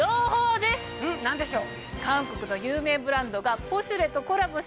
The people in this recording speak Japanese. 何でしょう。